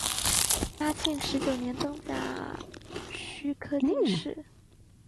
嘉庆十九年登甲戌科进士。